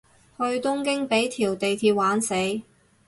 去東京畀條地鐵玩死